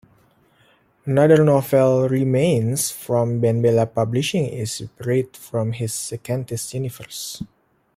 Another novel, "Remains", from BenBella Publishing, is separate from his Secantis universe.